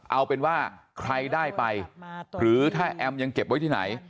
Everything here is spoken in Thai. เอาเป็นว่าใครได้ไปหรือถ้าแอมยังเก็บไว้ที่ไหน